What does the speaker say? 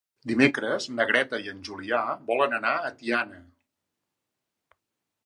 Dimecres na Greta i en Julià volen anar a Tiana.